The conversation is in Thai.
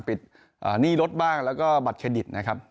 หนี้รถบ้างแล้วก็บัตรเครดิตนะครับ